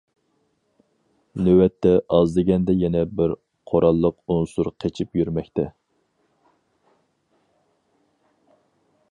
نۆۋەتتە ئاز دېگەندە يەنە بىر قوراللىق ئۇنسۇر قېچىپ يۈرمەكتە.